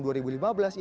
ini memiliki luas kota